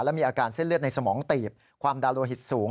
และมีอาการเส้นเลือดในสมองตีบความดาโลหิตสูง